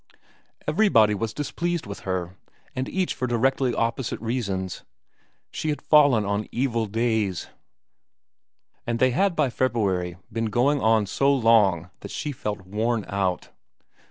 Everybody was displeased with her, and each for directly opposite reasons. She had fallen on evil days, and they had by February been going on so long that she felt worn out.